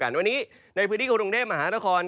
เว่นวันนี้ในพืชนี้โครงเทพฯมหาละคลอน